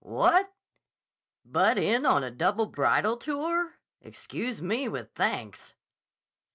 "What? Butt in on a double bridal tour? Excuse me with thanks."